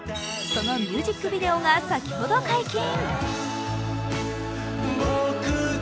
そのミュージックビデオが先ほど解禁。